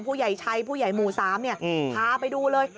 ผู้ใหญ่ชัยผู้ใหญ่หมู่๓พาไปดูเลย